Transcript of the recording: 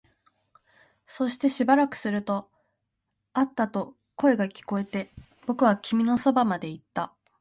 そしてしばらくすると、あったと声が聞こえて、僕は君のそばまで行った